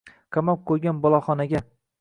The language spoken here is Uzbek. qamab qoʼygan boloxonaga